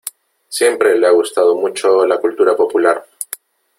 Siempre le ha gustado mucho la cultura popular.